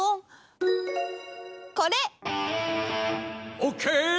オッケー！